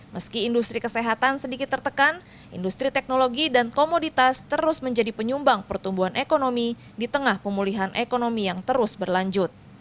meski industri kesehatan sedikit tertekan industri teknologi dan komoditas terus menjadi penyumbang pertumbuhan ekonomi di tengah pemulihan ekonomi yang terus berlanjut